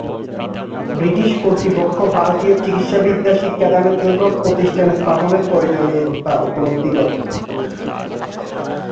British কর্তৃপক্ষ ভারতীয় চিকিৎসাবিদ্যা শিক্ষাদানের জন্য প্রতিষ্ঠান স্থাপনের প্রয়োজনীয়তা উপলব্ধি করে।